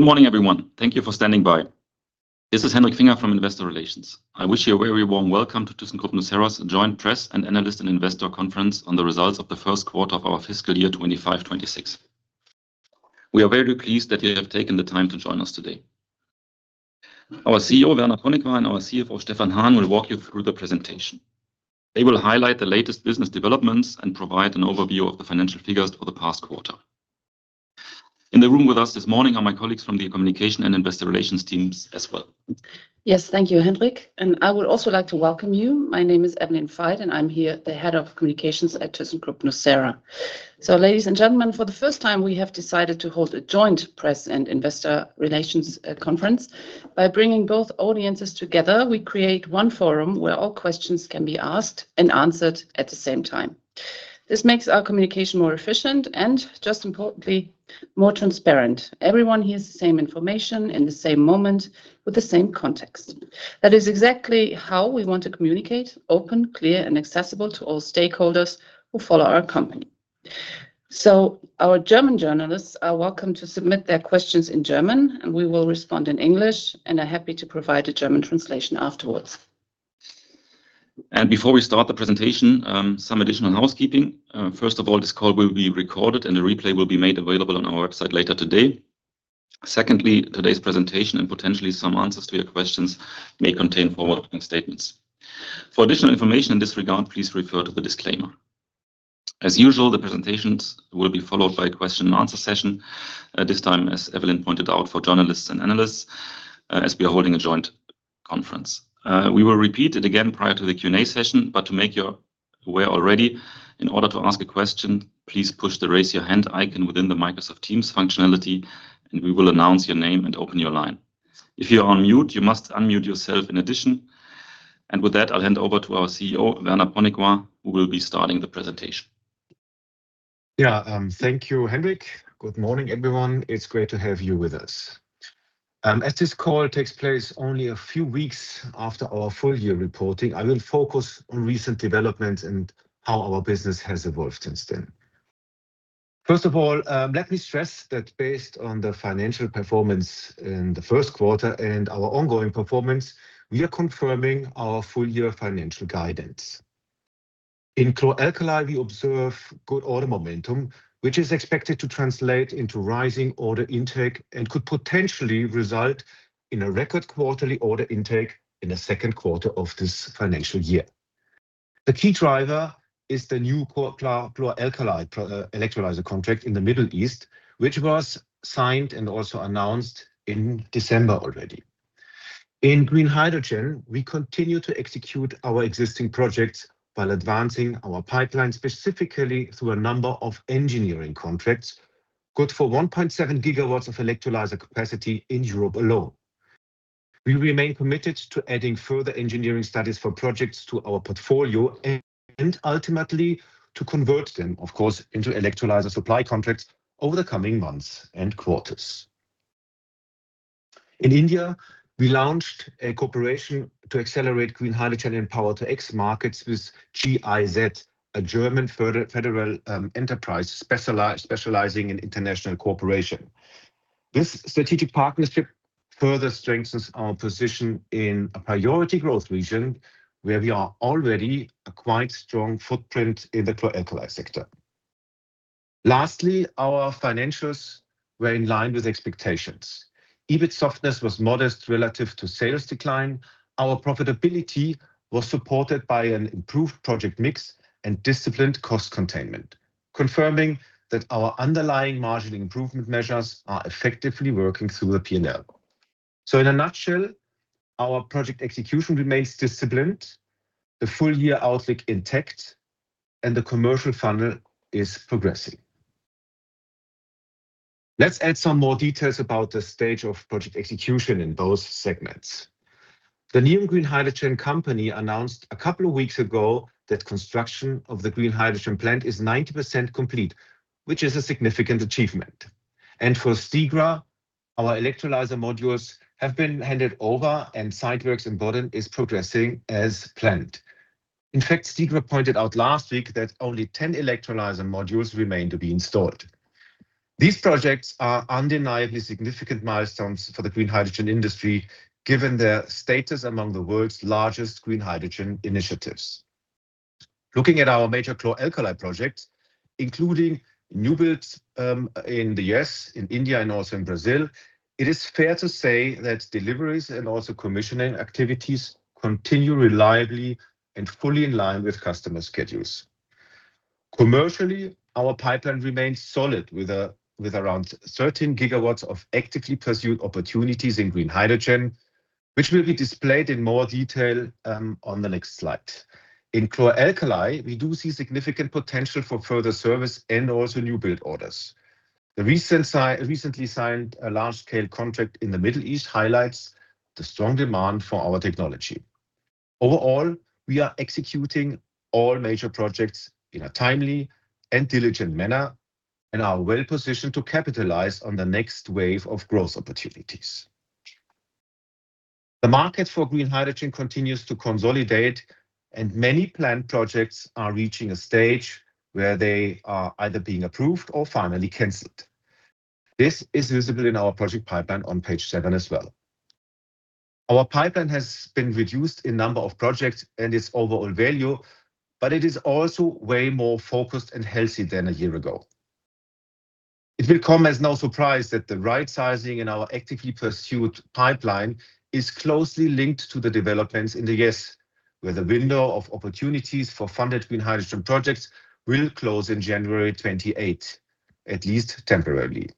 Good morning, everyone. Thank you for standing by. This is Hendrik Finger from Investor Relations. I wish you a very warm welcome to thyssenkrupp nucera's joint press and analyst and investor conference on the results of the first quarter of our fiscal year 2025/26. We are very pleased that you have taken the time to join us today. Our CEO, Werner Ponikwar, and our CFO, Stefan Hahn, will walk you through the presentation. They will highlight the latest business developments and provide an overview of the financial figures for the past quarter. In the room with us this morning are my colleagues from the Communication and Investor Relations teams as well. Yes, thank you, Henrik. I would also like to welcome you. My name is Evelyn Fade, and I'm the head of communications at thyssenkrupp nucera. Ladies and gentlemen, for the first time, we have decided to hold a joint press and investor relations conference. By bringing both audiences together, we create one forum where all questions can be asked and answered at the same time. This makes our communication more efficient and, just as importantly, more transparent. Everyone hears the same information in the same moment with the same context. That is exactly how we want to communicate: open, clear, and accessible to all stakeholders who follow our company. Our German journalists are welcome to submit their questions in German, and we will respond in English, and I'm happy to provide a German translation afterwards. Before we start the presentation, some additional housekeeping. First of all, this call will be recorded, and a replay will be made available on our website later today. Secondly, today's presentation and potentially some answers to your questions may contain forward-looking statements. For additional information in this regard, please refer to the disclaimer. As usual, the presentations will be followed by a question-and-answer session, this time, as Evelyn pointed out, for journalists and analysts as we are holding a joint conference. We will repeat it again prior to the Q&A session, but to make you aware already, in order to ask a question, please push the raise your hand icon within the Microsoft Teams functionality, and we will announce your name and open your line. If you are on mute, you must unmute yourself in addition. With that, I'll hand over to our CEO, Werner Ponikwar, who will be starting the presentation. Yeah, thank you, Henrik. Good morning, everyone. It's great to have you with us. As this call takes place only a few weeks after our full-year reporting, I will focus on recent developments and how our business has evolved since then. First of all, let me stress that based on the financial performance in the first quarter and our ongoing performance, we are confirming our full-year financial guidance. In chlor-alkali, we observe good order momentum, which is expected to translate into rising order intake and could potentially result in a record quarterly order intake in the second quarter of this financial year. The key driver is the new chlor-alkali electrolyzer contract in the Middle East, which was signed and also announced in December already. In green hydrogen, we continue to execute our existing projects while advancing our pipeline specifically through a number of engineering contracts, good for 1.7 gigawatts of electrolyzer capacity in Europe alone. We remain committed to adding further engineering studies for projects to our portfolio and ultimately to convert them, of course, into electrolyzer supply contracts over the coming months and quarters. In India, we launched a cooperation to accelerate green hydrogen and Power-to-X markets with GIZ, a German federal enterprise specializing in international cooperation. This strategic partnership further strengthens our position in a priority growth region where we are already a quite strong footprint in the chlor-alkali sector. Lastly, our financials were in line with expectations. EBIT softness was modest relative to sales decline. Our profitability was supported by an improved project mix and disciplined cost containment, confirming that our underlying marginal improvement measures are effectively working through the P&L. So in a nutshell, our project execution remains disciplined, the full-year outlook intact, and the commercial funnel is progressing. Let's add some more details about the stage of project execution in both segments. The NEOM Green Hydrogen Company announced a couple of weeks ago that construction of the green hydrogen plant is 90% complete, which is a significant achievement. For Stegra, our electrolyzer modules have been handed over, and site works in Boden is progressing as planned. In fact, Stegra pointed out last week that only 10 electrolyzer modules remain to be installed. These projects are undeniably significant milestones for the green hydrogen industry given their status among the world's largest green hydrogen initiatives. Looking at our major chlor-alkali projects, including new builds in the U.S., in India, and also in Brazil, it is fair to say that deliveries and also commissioning activities continue reliably and fully in line with customer schedules. Commercially, our pipeline remains solid with around 13 gigawatts of actively pursued opportunities in green hydrogen, which will be displayed in more detail on the next slide. In chlor-alkali, we do see significant potential for further service and also new build orders. The recently signed large-scale contract in the Middle East highlights the strong demand for our technology. Overall, we are executing all major projects in a timely and diligent manner and are well positioned to capitalize on the next wave of growth opportunities. The market for green hydrogen continues to consolidate, and many plant projects are reaching a stage where they are either being approved or finally canceled. This is visible in our project pipeline on page 7 as well. Our pipeline has been reduced in number of projects and its overall value, but it is also way more focused and healthy than a year ago. It will come as no surprise that the right sizing in our actively pursued pipeline is closely linked to the developments in the U.S., where the window of opportunities for funded green hydrogen projects will close in January 2028, at least temporarily.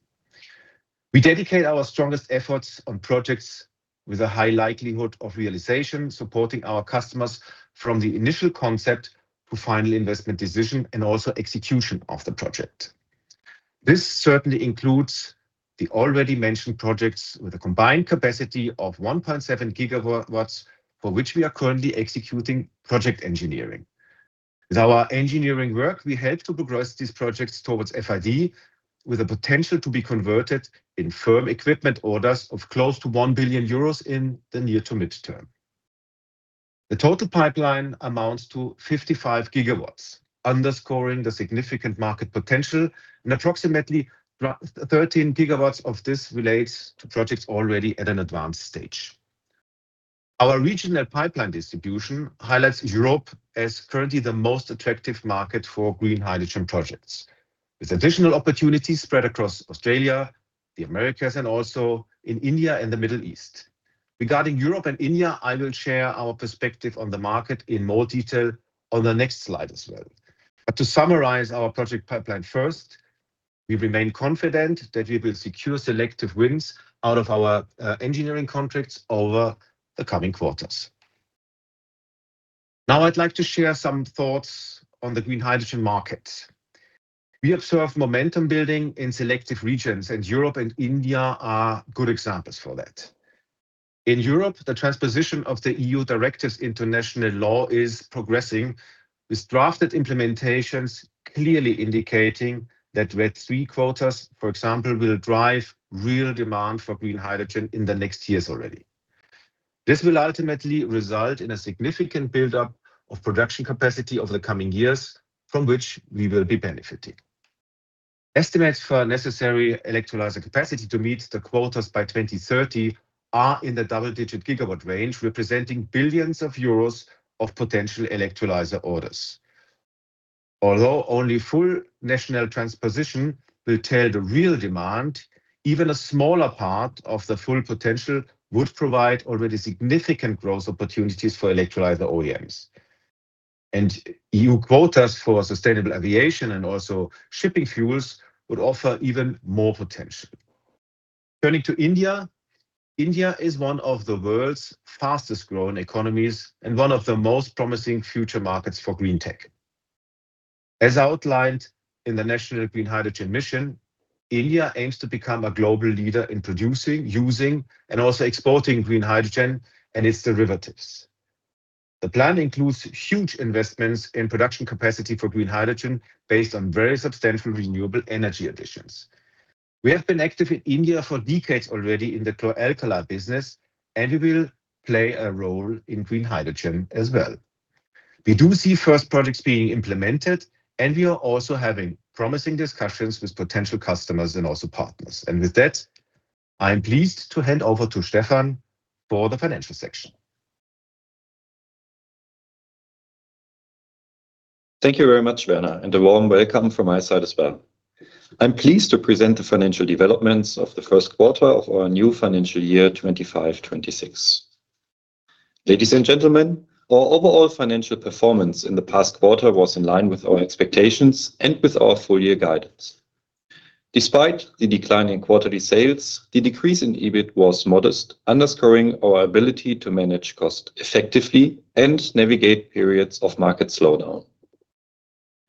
We dedicate our strongest efforts on projects with a high likelihood of realization, supporting our customers from the initial concept to final investment decision and also execution of the project. This certainly includes the already mentioned projects with a combined capacity of 1.7 GW, for which we are currently executing project engineering. With our engineering work, we help to progress these projects towards FID with the potential to be converted in firm equipment orders of close to 1 billion euros in the near to mid-term. The total pipeline amounts to 55 GW, underscoring the significant market potential, and approximately 13 GW of this relates to projects already at an advanced stage. Our regional pipeline distribution highlights Europe as currently the most attractive market for green hydrogen projects, with additional opportunities spread across Australia, the Americas, and also in India and the Middle East. Regarding Europe and India, I will share our perspective on the market in more detail on the next slide as well. But to summarize our project pipeline first, we remain confident that we will secure selective wins out of our engineering contracts over the coming quarters. Now I'd like to share some thoughts on the green hydrogen markets. We observe momentum building in selective regions, and Europe and India are good examples for that. In Europe, the transposition of the EU directives into national law is progressing, with drafted implementations clearly indicating that RED III quotas, for example, will drive real demand for green hydrogen in the next years already. This will ultimately result in a significant buildup of production capacity over the coming years, from which we will be benefiting. Estimates for necessary electrolyzer capacity to meet the quotas by 2030 are in the double-digit gigawatt range, representing billions of EUR of potential electrolyzer orders. Although only full national transposition will tell the real demand, even a smaller part of the full potential would provide already significant growth opportunities for electrolyzer OEMs. EU quotas for sustainable aviation and also shipping fuels would offer even more potential. Turning to India, India is one of the world's fastest-growing economies and one of the most promising future markets for green tech. As outlined in the National Green Hydrogen Mission, India aims to become a global leader in producing, using, and also exporting green hydrogen and its derivatives. The plan includes huge investments in production capacity for green hydrogen based on very substantial renewable energy additions. We have been active in India for decades already in the chlor-alkali business, and we will play a role in green hydrogen as well. We do see first projects being implemented, and we are also having promising discussions with potential customers and also partners. And with that, I'm pleased to hand over to Stefan for the financial section. Thank you very much, Werner, and a warm welcome from my side as well. I'm pleased to present the financial developments of the first quarter of our new financial year 2025/26. Ladies and gentlemen, our overall financial performance in the past quarter was in line with our expectations and with our full-year guidance. Despite the declining quarterly sales, the decrease in EBIT was modest, underscoring our ability to manage costs effectively and navigate periods of market slowdown.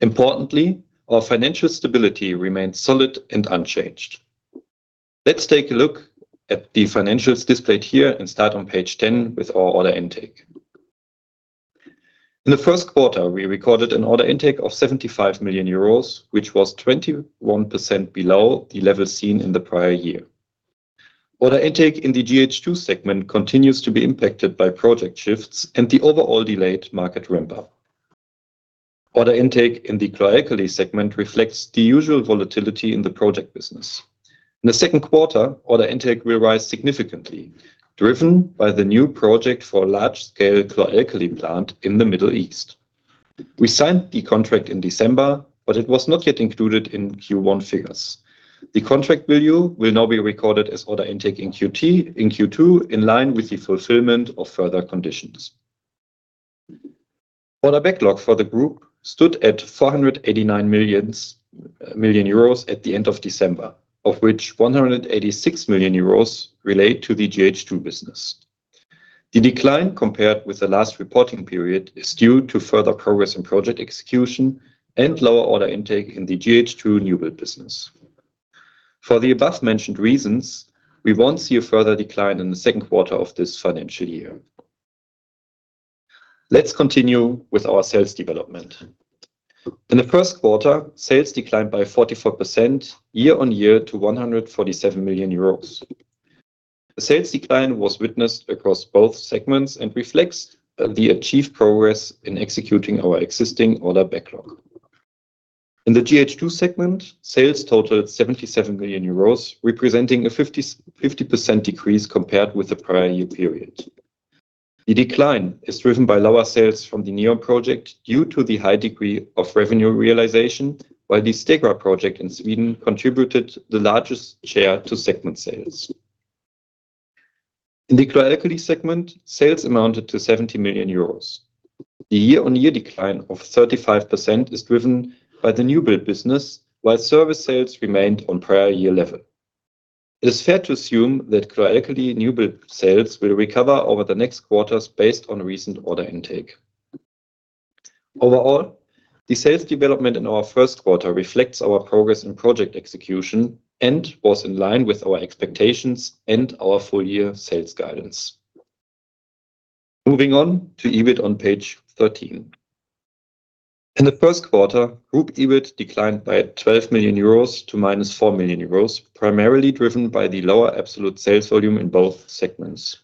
Importantly, our financial stability remained solid and unchanged. Let's take a look at the financials displayed here and start on page 10 with our order intake. In the first quarter, we recorded an order intake of 75 million euros, which was 21% below the level seen in the prior year. Order intake in the GH2 segment continues to be impacted by project shifts and the overall delayed market ramp-up. Order intake in the chlor-alkali segment reflects the usual volatility in the project business. In the second quarter, order intake will rise significantly, driven by the new project for a large-scale chlor-alkali plant in the Middle East. We signed the contract in December, but it was not yet included in Q1 figures. The contract value will now be recorded as order intake in Q2 in line with the fulfillment of further conditions. Order backlog for the group stood at 489 million at the end of December, of which 186 million euros relate to the GH2 business. The decline, compared with the last reporting period, is due to further progress in project execution and lower order intake in the GH2 new build business. For the above-mentioned reasons, we won't see a further decline in the second quarter of this financial year. Let's continue with our sales development. In the first quarter, sales declined by 44% year-on-year to 147 million euros. The sales decline was witnessed across both segments and reflects the achieved progress in executing our existing order backlog. In the GH2 segment, sales totaled 77 million euros, representing a 50% decrease compared with the prior year period. The decline is driven by lower sales from the NEOM project due to the high degree of revenue realization, while the Stegra project in Sweden contributed the largest share to segment sales. In the chlor-alkali segment, sales amounted to 70 million euros. The year-on-year decline of 35% is driven by the new build business, while service sales remained on prior year level. It is fair to assume that chlor-alkali new build sales will recover over the next quarters based on recent order intake. Overall, the sales development in our first quarter reflects our progress in project execution and was in line with our expectations and our full-year sales guidance. Moving on to EBIT on page 13. In the first quarter, group EBIT declined by 12 million euros to 4 million euros, primarily driven by the lower absolute sales volume in both segments.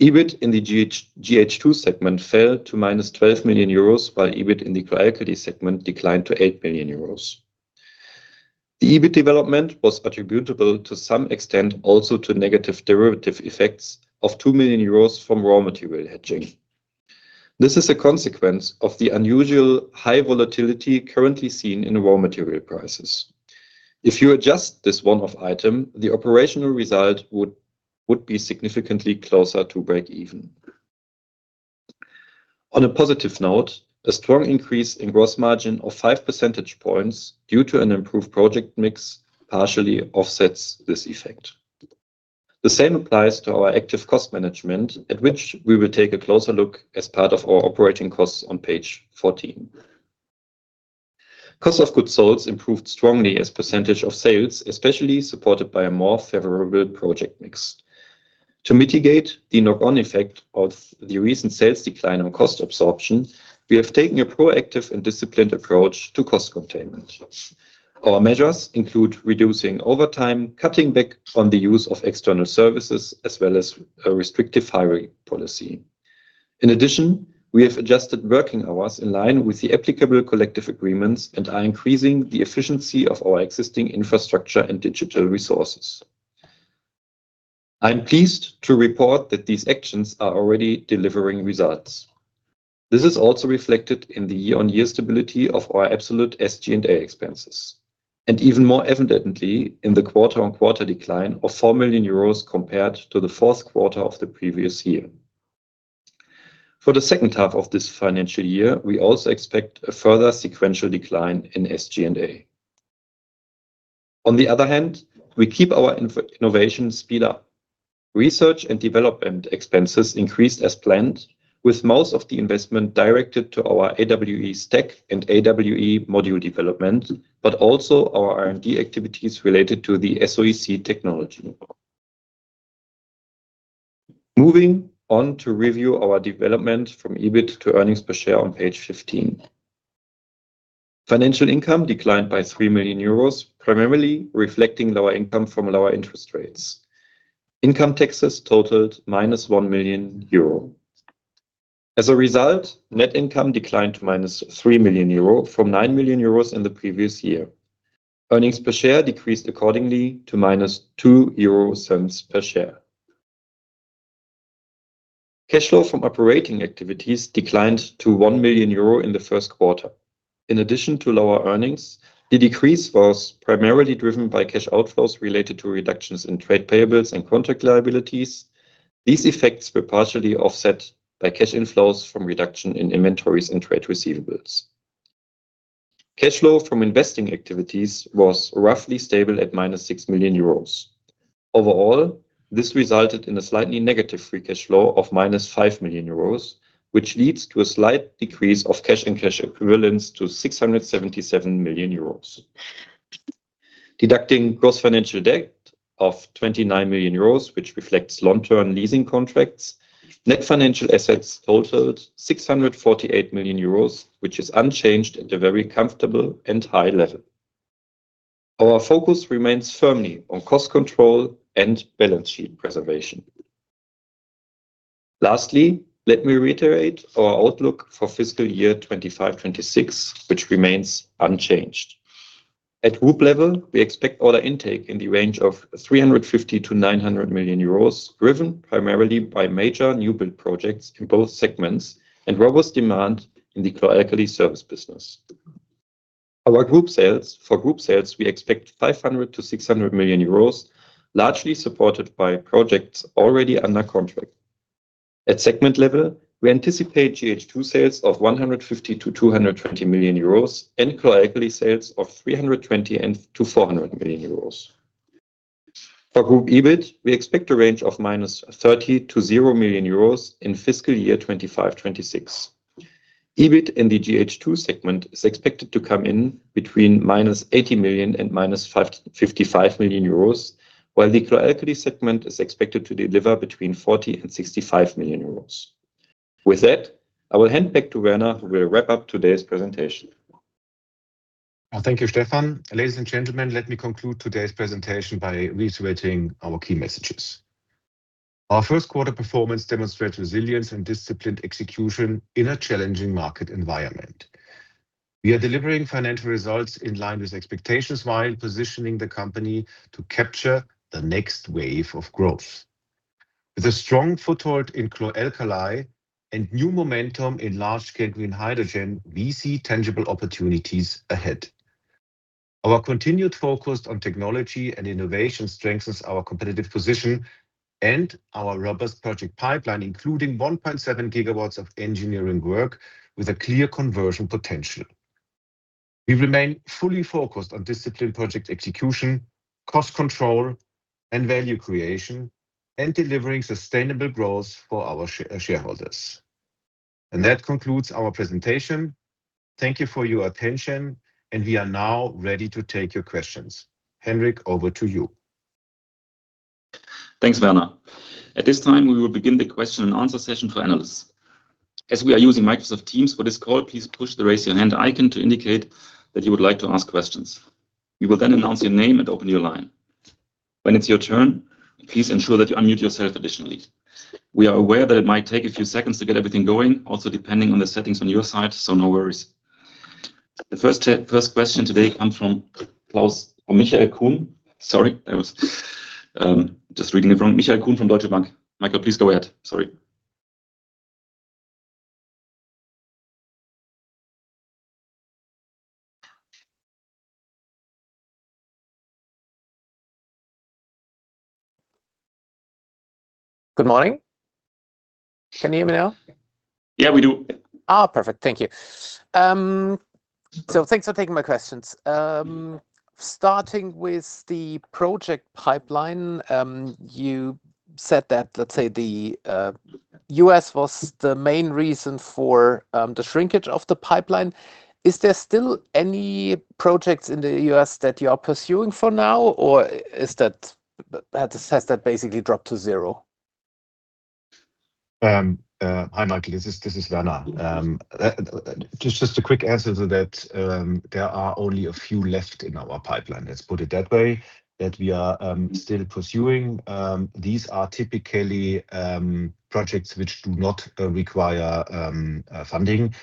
EBIT in the GH2 segment fell to 12 million euros, while EBIT in the chlor-alkali segment declined to 8 million euros. The EBIT development was attributable, to some extent, also to negative derivative effects of 2 million euros from raw material hedging. This is a consequence of the unusual high volatility currently seen in raw material prices. If you adjust this one-off item, the operational result would be significantly closer to break even. On a positive note, a strong increase in gross margin of 5 percentage points due to an improved project mix partially offsets this effect. The same applies to our active cost management, at which we will take a closer look as part of our operating costs on page 14. Cost of goods sold improved strongly as a percentage of sales, especially supported by a more favorable project mix. To mitigate the knock-on effect of the recent sales decline on cost absorption, we have taken a proactive and disciplined approach to cost containment. Our measures include reducing overtime, cutting back on the use of external services, as well as a restrictive hiring policy. In addition, we have adjusted working hours in line with the applicable collective agreements and are increasing the efficiency of our existing infrastructure and digital resources. I'm pleased to report that these actions are already delivering results. This is also reflected in the year-on-year stability of our absolute SG&A expenses, and even more evidently in the quarter-on-quarter decline of 4 million euros compared to the fourth quarter of the previous year. For the second half of this financial year, we also expect a further sequential decline in SG&A. On the other hand, we keep our innovation speed up. Research and development expenses increased as planned, with most of the investment directed to our AWE stack and AWE module development, but also our R&D activities related to the SOEC technology. Moving on to review our development from EBIT to earnings per share on page 15. Financial income declined by 3 million euros, primarily reflecting lower income from lower interest rates. Income taxes totaled 1 million euro. As a result, net income declined to 3 million euro from 9 million euros in the previous year. Earnings per share decreased accordingly to 0.02 per share. Cash flow from operating activities declined to 1 million euro in the first quarter. In addition to lower earnings, the decrease was primarily driven by cash outflows related to reductions in trade payables and contract liabilities. These effects were partially offset by cash inflows from reduction in inventories and trade receivables. Cash flow from investing activities was roughly stable at 6 million euros. Overall, this resulted in a slightly negative free cash flow of 5 million euros, which leads to a slight decrease of cash and cash equivalents to 677 million euros. Deducting gross financial debt of 29 million euros, which reflects long-term leasing contracts, net financial assets totaled 648 million euros, which is unchanged at a very comfortable and high level. Our focus remains firmly on cost control and balance sheet preservation. Lastly, let me reiterate our outlook for fiscal year 2025/2026, which remains unchanged. At group level, we expect order intake in the range of 350 million-900 million euros, driven primarily by major new build projects in both segments and robust demand in the chlor-alkali service business. For group sales, we expect 500 million-600 million euros, largely supported by projects already under contract. At segment level, we anticipate GH2 sales of 150 million-220 million euros and chlor-alkali sales of 320 million-400 million euros. For group EBIT, we expect a range of 30 million-0 million euros in fiscal year 2025/26. EBIT in the GH2 segment is expected to come in between 80 million and 55 million euros, while the chlor-alkali segment is expected to deliver between 40 million and 65 million euros. With that, I will hand back to Werner, who will wrap up today's presentation. Thank you, Stefan. Ladies and gentlemen, let me conclude today's presentation by reiterating our key messages. Our first quarter performance demonstrates resilience and disciplined execution in a challenging market environment. We are delivering financial results in line with expectations while positioning the company to capture the next wave of growth. With a strong foothold in chlor-alkali and new momentum in large-scale green hydrogen, we see tangible opportunities ahead. Our continued focus on technology and innovation strengthens our competitive position and our robust project pipeline, including 1.7 gigawatts of engineering work with a clear conversion potential. We remain fully focused on disciplined project execution, cost control, and value creation, and delivering sustainable growth for our shareholders. That concludes our presentation. Thank you for your attention, and we are now ready to take your questions. Hendrik, over to you. Thanks, Werner. At this time, we will begin the question-and-answer session for analysts. As we are using Microsoft Teams for this call, please push the raise-your-hand icon to indicate that you would like to ask questions. We will then announce your name and open your line. When it's your turn, please ensure that you unmute yourself additionally. We are aware that it might take a few seconds to get everything going, also depending on the settings on your side, so no worries. The first question today comes from Klaus or Michael Kuhn. Sorry, I was just reading it wrong. Michael Kuhn from Deutsche Bank. Michael, please go ahead. Sorry. Good morning. Can you hear me now? Yeah, we do. Perfect. Thank you. So thanks for taking my questions. Starting with the project pipeline, you said that, let's say, the U.S. was the main reason for the shrinkage of the pipeline. Is there still any projects in the U.S. that you are pursuing for now, or has that basically dropped to zero? Hi, Michael. This is Werner. Just a quick answer to that, there are only a few left in our pipeline, let's put it that way, that we are still pursuing. These are typically projects which do not require funding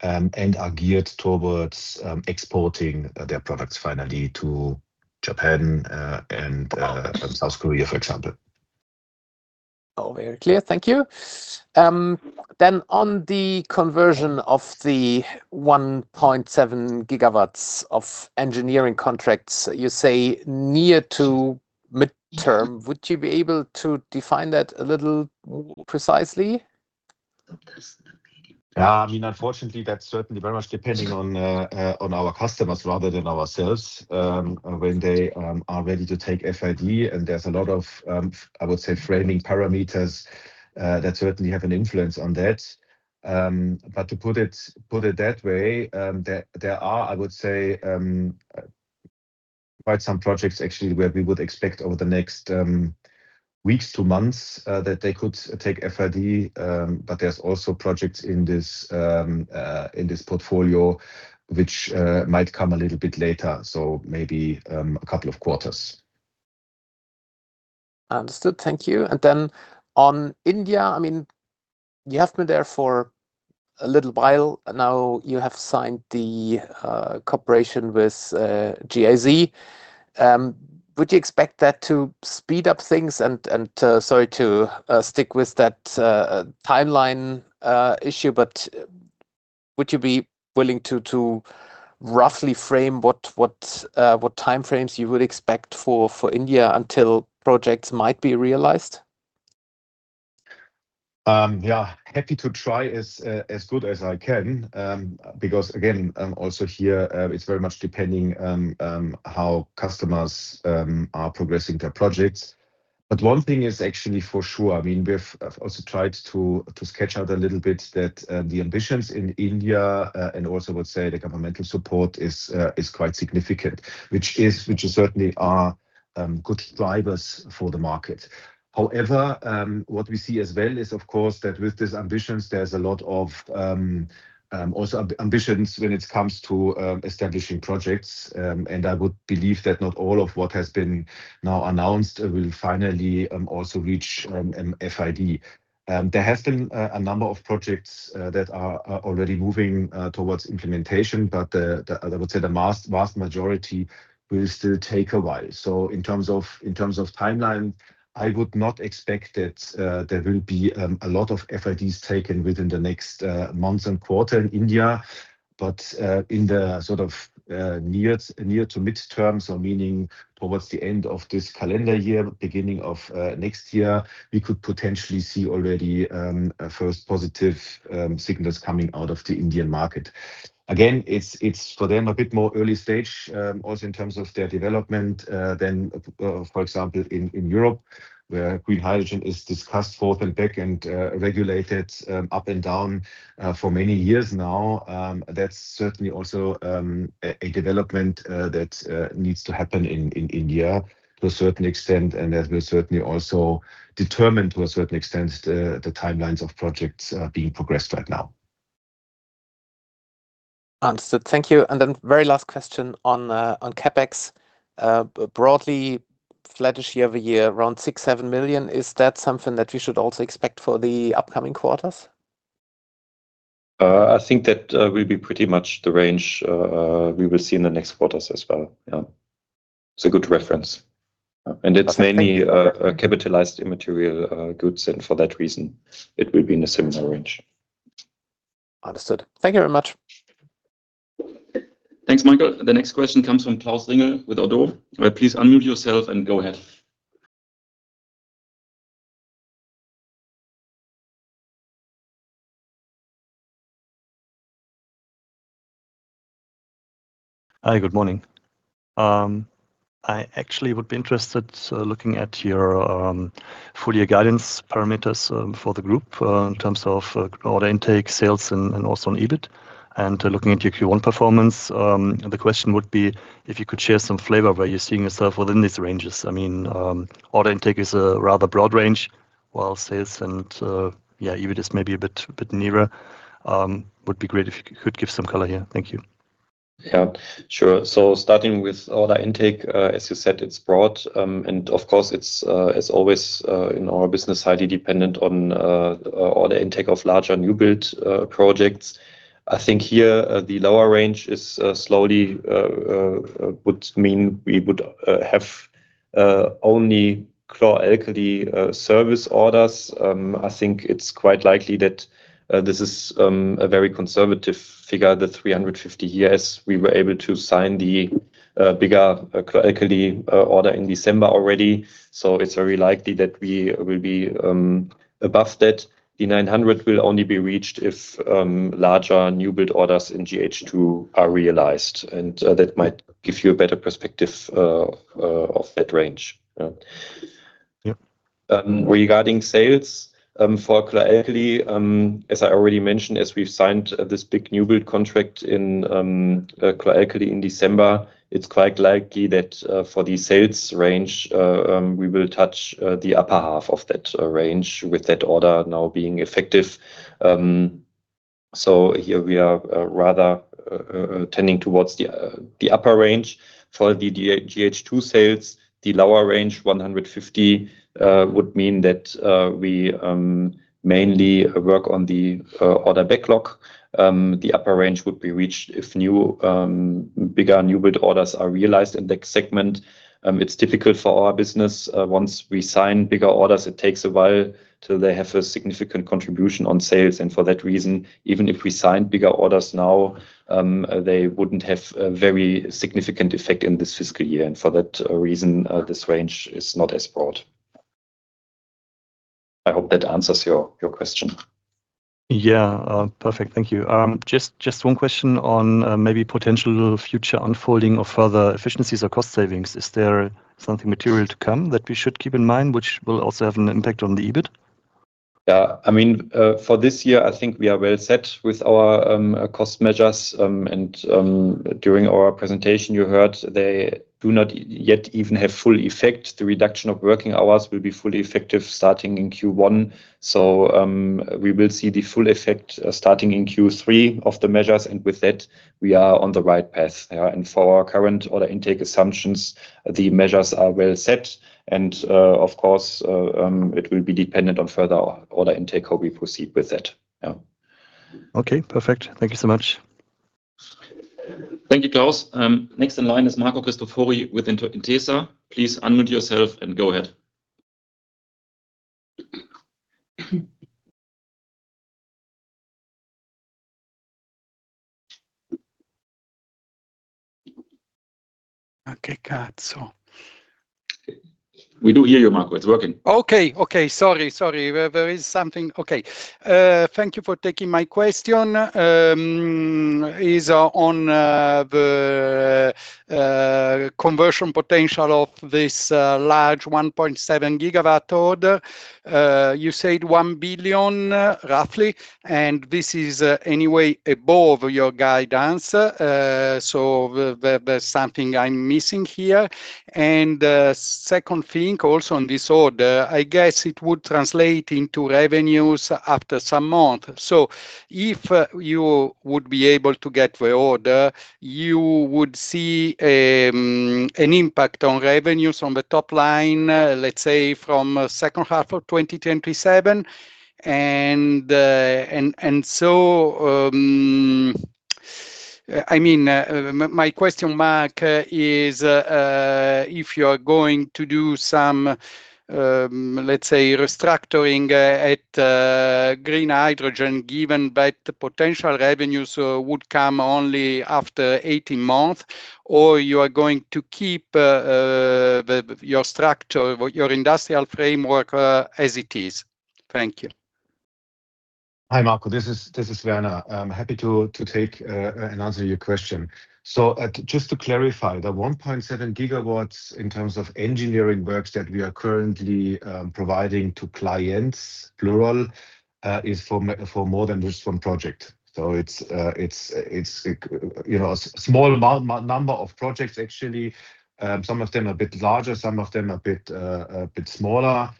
and are geared towards exporting their products finally to Japan and South Korea, for example. Oh, very clear. Thank you. On the conversion of the 1.7 gigawatts of engineering contracts, you say near to mid-term. Would you be able to define that a little more precisely? Yeah, I mean, unfortunately, that's certainly very much depending on our customers rather than ourselves. When they are ready to take FID and there's a lot of, I would say, framing parameters that certainly have an influence on that. But to put it that way, there are, I would say, quite some projects actually where we would expect over the next weeks, two months that they could take FID. But there's also projects in this portfolio which might come a little bit later, so maybe a couple of quarters. Understood. Thank you. And then on India, I mean, you have been there for a little while. Now you have signed the cooperation with GIZ. Would you expect that to speed up things? And sorry to stick with that timeline issue, but would you be willing to roughly frame what timeframes you would expect for India until projects might be realized? Yeah, happy to try as good as I can because, again, also here, it's very much depending on how customers are progressing their projects. But one thing is actually for sure. I mean, we've also tried to sketch out a little bit that the ambitions in India and also, I would say, the governmental support is quite significant, which certainly are good drivers for the market. However, what we see as well is, of course, that with these ambitions, there's a lot of also ambitions when it comes to establishing projects. And I would believe that not all of what has been now announced will finally also reach FID. There has been a number of projects that are already moving towards implementation, but I would say the vast majority will still take a while. In terms of timeline, I would not expect that there will be a lot of FIDs taken within the next months and quarter in India. In the sort of near to mid-term, so meaning towards the end of this calendar year, beginning of next year, we could potentially see already first positive signals coming out of the Indian market. Again, it's for them a bit more early stage also in terms of their development than, for example, in Europe, where green hydrogen is discussed forth and back and regulated up and down for many years now. That's certainly also a development that needs to happen in India to a certain extent, and that will certainly also determine to a certain extent the timelines of projects being progressed right now. Understood. Thank you. And then very last question on CapEx. Broadly, flatish year-over-year, around 6-7 million. Is that something that we should also expect for the upcoming quarters? I think that will be pretty much the range we will see in the next quarters as well. Yeah, it's a good reference. It's mainly capitalized immaterial goods, and for that reason, it will be in a similar range. Understood. Thank you very much. Thanks, Michael. The next question comes from Klaus Ringel with ODDO BHF. Please unmute yourself and go ahead. Hi, good morning. I actually would be interested looking at your full-year guidance parameters for the group in terms of order intake, sales, and also on EBIT. Looking at your Q1 performance, the question would be if you could share some flavor where you're seeing yourself within these ranges. I mean, order intake is a rather broad range, while sales and, yeah, EBIT is maybe a bit nearer. Would be great if you could give some color here. Thank you. Yeah, sure. So starting with order intake, as you said, it's broad. And of course, it's, as always, in our business, highly dependent on order intake of larger new build projects. I think here the lower range solely would mean we would have only chlor-alkali service orders. I think it's quite likely that this is a very conservative figure, the 350 here, as we were able to sign the bigger chlor-alkali order in December already. So it's very likely that we will be above that. The 900 will only be reached if larger new build orders in GH2 are realized. And that might give you a better perspective of that range. Regarding sales for chlor-alkali, as I already mentioned, as we've signed this big new build contract in chlor-alkali in December, it's quite likely that for the sales range, we will touch the upper half of that range with that order now being effective. So here we are rather tending towards the upper range. For the GH2 sales, the lower range, 150, would mean that we mainly work on the order backlog. The upper range would be reached if bigger new build orders are realized in that segment. It's difficult for our business. Once we sign bigger orders, it takes a while till they have a significant contribution on sales. And for that reason, even if we signed bigger orders now, they wouldn't have a very significant effect in this fiscal year. And for that reason, this range is not as broad. I hope that answers your question. Yeah, perfect. Thank you. Just one question on maybe potential future unfolding of further efficiencies or cost savings. Is there something material to come that we should keep in mind, which will also have an impact on the EBIT? Yeah, I mean, for this year, I think we are well set with our cost measures. And during our presentation, you heard they do not yet even have full effect. The reduction of working hours will be fully effective starting in Q1. So we will see the full effect starting in Q3 of the measures. And with that, we are on the right path. And for our current order intake assumptions, the measures are well set. And of course, it will be dependent on further order intake how we proceed with that. Yeah. Okay, perfect. Thank you so much. Thank you, Klaus. Next in line is Marco Cristofori with Intesa. Please unmute yourself and go ahead. Okay, cazzo. We do hear you, Marco. It's working. Thank you for taking my question. It's on the conversion potential of this large 1.7 Gigawatt order, you said 1 billion, roughly. And this is anyway above your guidance. So there's something I'm missing here. And second thing also on this order, I guess it would translate into revenues after some months. So if you would be able to get the order, you would see an impact on revenues on the top line, let's say, from second half of 2027. And so, I mean, my question, Mark, is if you are going to do some, let's say, restructuring at green hydrogen, given that the potential revenues would come only after 18 months, or you are going to keep your industrial framework as it is? Thank you. Hi, Marco. This is Werner. Happy to take and answer your question. So just to clarify, the 1.7 gigawatts in terms of engineering works that we are currently providing to clients, plural, is for more than just one project. So it's a small number of projects, actually. Some of them are a bit larger, some of them a bit smaller,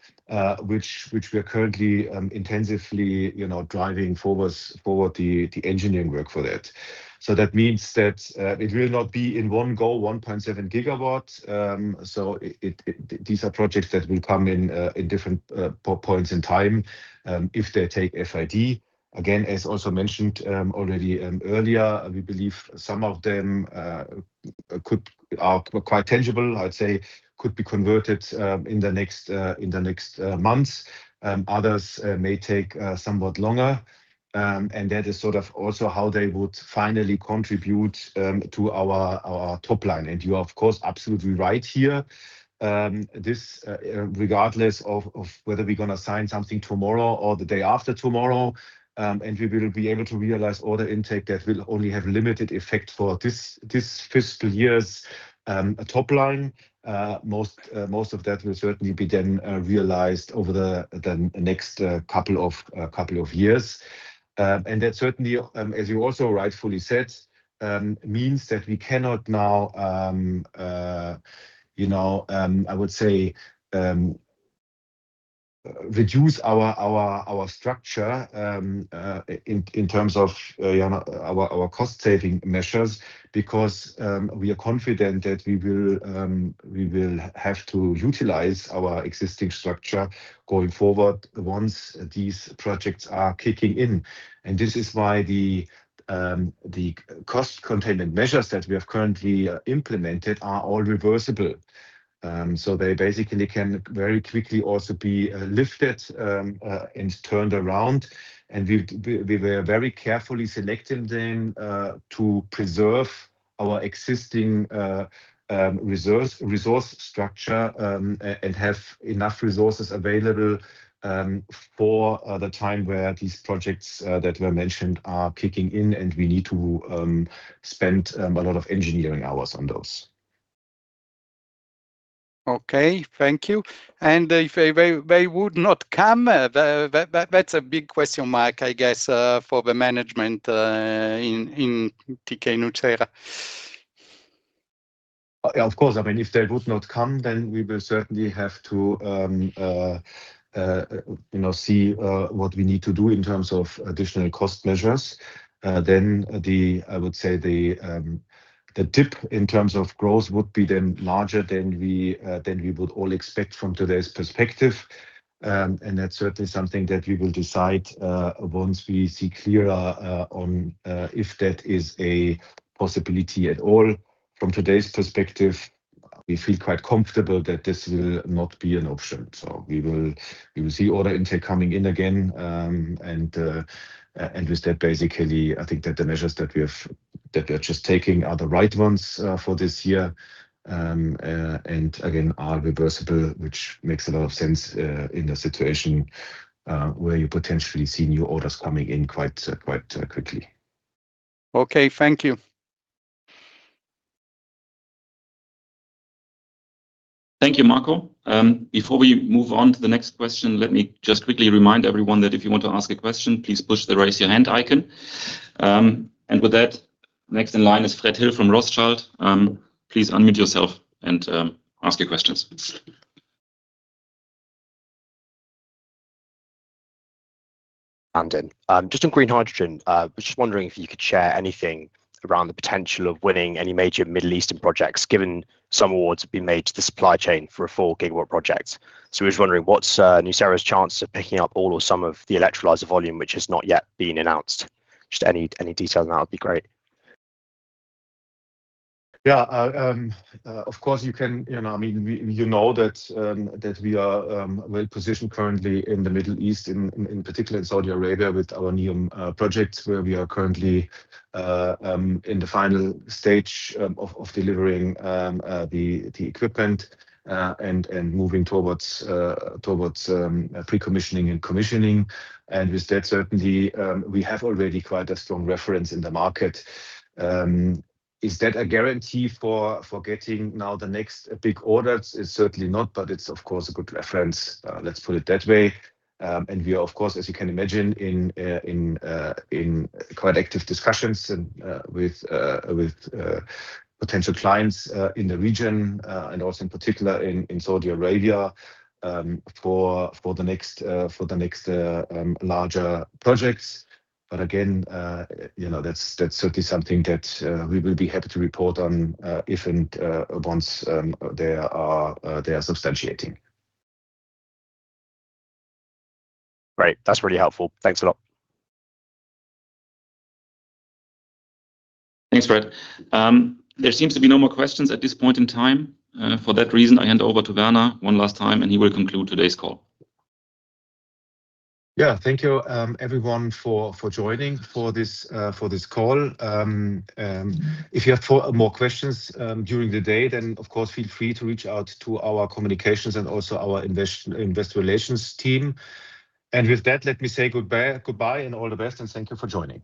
which we are currently intensively driving forward the engineering work for that. So that means that it will not be in one go, 1.7 gigawatts. So these are projects that will come in different points in time if they take FID. Again, as also mentioned already earlier, we believe some of them are quite tangible, I'd say, could be converted in the next months. Others may take somewhat longer. And that is sort of also how they would finally contribute to our top line. And you are, of course, absolutely right here. This regardless of whether we're going to sign something tomorrow or the day after tomorrow, and we will be able to realize order intake that will only have limited effect for this fiscal year's top line. Most of that will certainly be then realized over the next couple of years. And that certainly, as you also rightfully said, means that we cannot now, I would say, reduce our structure in terms of our cost-saving measures because we are confident that we will have to utilize our existing structure going forward once these projects are kicking in. And this is why the cost-containment measures that we have currently implemented are all reversible. So they basically can very quickly also be lifted and turned around. We were very carefully selecting them to preserve our existing resource structure and have enough resources available for the time where these projects that were mentioned are kicking in and we need to spend a lot of engineering hours on those. Okay, thank you. If they would not come, that's a big question mark, I guess, for the management in TK nucera. Of course. I mean, if they would not come, then we will certainly have to see what we need to do in terms of additional cost measures. Then I would say the dip in terms of growth would be then larger than we would all expect from today's perspective. And that's certainly something that we will decide once we see clearer on if that is a possibility at all. From today's perspective, we feel quite comfortable that this will not be an option. So we will see order intake coming in again. And with that, basically, I think that the measures that we are just taking are the right ones for this year and, again, are reversible, which makes a lot of sense in a situation where you potentially see new orders coming in quite quickly. Okay, thank you. Thank you, Marco. Before we move on to the next question, let me just quickly remind everyone that if you want to ask a question, please push the raise your hand icon. And with that, next in line is Fred Hill from Rothschild. Please unmute yourself and ask your questions. I'm Dan. Just on green hydrogen, I was just wondering if you could share anything around the potential of winning any major Middle Eastern projects, given some awards have been made to the supply chain for a 4-gigawatt project. So I was wondering what's nucera's chance of picking up all or some of the electrolyzer volume, which has not yet been announced? Just any detail on that would be great. Yeah, of course you can. I mean, you know that we are well positioned currently in the Middle East, in particular in Saudi Arabia, with our NEOM project, where we are currently in the final stage of delivering the equipment and moving towards pre-commissioning and commissioning. And with that, certainly, we have already quite a strong reference in the market. Is that a guarantee for getting now the next big orders? It's certainly not, but it's, of course, a good reference. Let's put it that way. And we are, of course, as you can imagine, in quite active discussions with potential clients in the region and also in particular in Saudi Arabia for the next larger projects. But again, that's certainly something that we will be happy to report on if and once they are substantiating. Great. That's really helpful. Thanks a lot. Thanks, Fred. There seems to be no more questions at this point in time. For that reason, I hand over to Werner one last time, and he will conclude today's call. Yeah, thank you, everyone, for joining for this call. If you have more questions during the day, then, of course, feel free to reach out to our communications and also our investor relations team. With that, let me say goodbye and all the best, and thank you for joining.